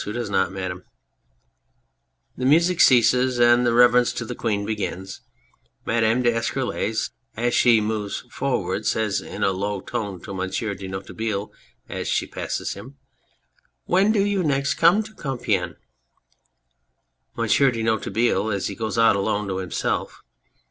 Who does not. ... Madame ? (The music ceases and the reverences to the Queen begin. Madame fTEfCttrolkf, as she moves forward, says in a low tone to Monsieur de Noiretable as .she passes him, " When do you next come to Compiegne r ") MONSIEUR DE NOIRETABLE (as he goes out alone, to himself").